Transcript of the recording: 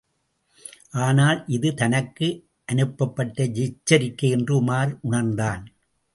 ஆனால் இது தனக்கு அனுப்பப்பட்ட எச்சரிக்கை என்று உமார் உணர்ந்தான்.